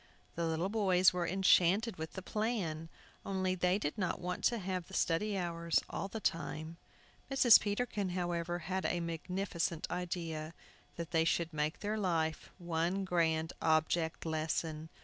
The little boys were enchanted with the plan, only they did not want to have the study hours all the time. Mr. Peterkin, however, had a magnificent idea, that they should make their life one grand Object Lesson.